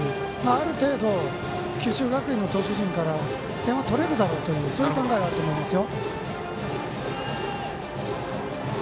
ある程度、九州学院の投手陣から点が取れるだろうというそういう考えはあると思いますよ。